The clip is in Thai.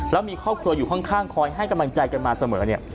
แล้วมีครอบครัวอยู่ข้างคอยให้กำลังใจกันมาเสมอเนี่ย